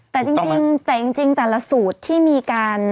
แต่จริงแต่จริงแต่ละสูตรที่มีการ